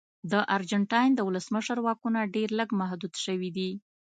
د ارجنټاین د ولسمشر واکونه ډېر لږ محدود شوي دي.